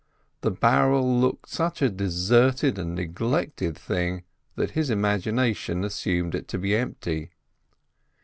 The barrel looked such a deserted and neglected thing that his imagination assumed it to be empty.